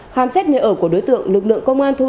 khám xét nơi ở của đối tượng lực lượng công an tp hcm